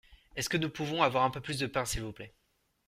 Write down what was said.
Est-ce que nous pouvons avoir un peu plus de pain s’il vous plait ?